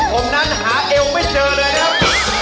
ผมนั้นหาเอวไม่เจอเลยนะครับ